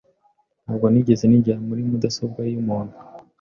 Ntabwo nigeze ninjira muri mudasobwa y'umuntu